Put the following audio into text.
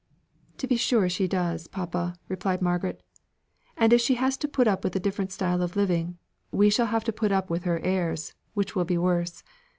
"To be sure she does, papa," replied Margaret; "and if she has to put up with a different style of living, we shall have to put up with her airs, which will be worse.